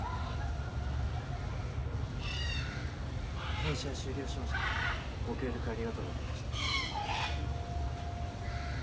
検視は終了しましたご協力ありがとうございました。